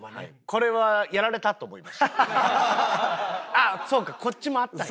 ああそうかこっちもあったんや。